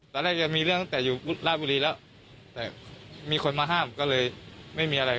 จะมีเรื่องตั้งแต่อยู่ราชบุรีแล้วแต่มีคนมาห้ามก็เลยไม่มีอะไร